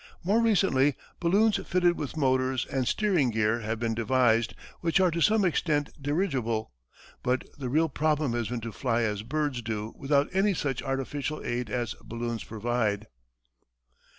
More recently, balloons fitted with motors and steering gear have been devised, which are to some extent dirigible; but the real problem has been to fly as birds do without any such artificial aid as balloons provide.